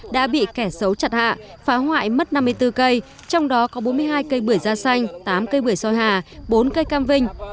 đã bị kẻ xấu chặt hạ phá hoại mất năm mươi bốn cây trong đó có bốn mươi hai cây bưởi da xanh tám cây bưởi soi hà bốn cây cam vinh